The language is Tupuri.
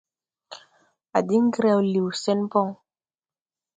A diŋ graw liw sɛn bɔŋ.